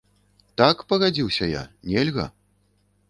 Так, пагадзіўся я, нельга.